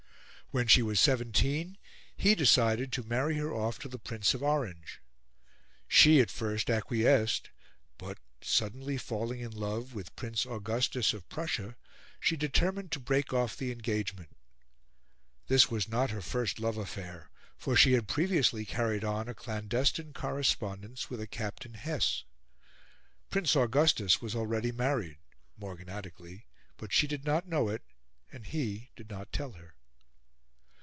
When she was seventeen, he decided to marry her off to the Prince of Orange; she, at first, acquiesced; but, suddenly falling in love with Prince Augustus of Prussia, she determined to break off the engagement. This was not her first love affair, for she had previously carried on a clandestine correspondence with a Captain Hess. Prince Augustus was already married, morganatically, but she did not know it, and he did not tell her.